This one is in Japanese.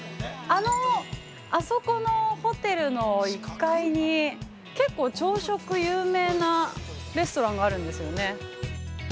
あそこのホテルの１階に結構朝食が有名なレストランがあるんですよね。